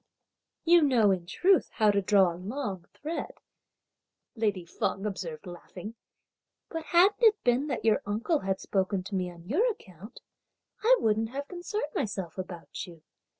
"You know in truth how to draw a long thread," lady Feng observed laughing. "But hadn't it been that your uncle had spoken to me on your account, I wouldn't have concerned myself about you.